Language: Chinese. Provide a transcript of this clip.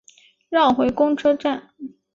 绕回公车站